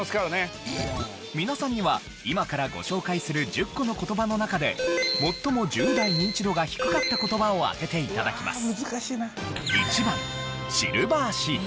皆さんには今からご紹介する１０個の言葉の中で最も１０代ニンチドが低かった言葉を当てて頂きます。